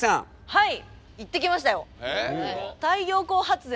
はい。